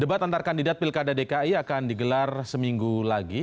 debat antar kandidat pilkada dki akan digelar seminggu lagi